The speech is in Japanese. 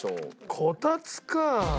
こたつか！